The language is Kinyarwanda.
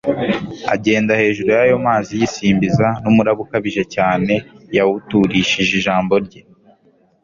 agenda hejuru y'ayo mazi yisimbiza n'umuraba ukabije cyane yawuturishije ijambo rye.